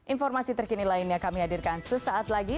informasi terkini lainnya kami hadirkan sesaat lagi